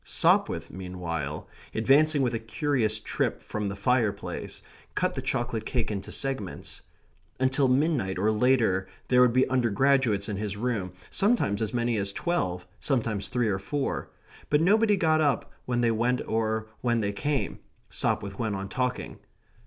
Sopwith, meanwhile, advancing with a curious trip from the fire place, cut the chocolate cake into segments. Until midnight or later there would be undergraduates in his room, sometimes as many as twelve, sometimes three or four; but nobody got up when they went or when they came; Sopwith went on talking.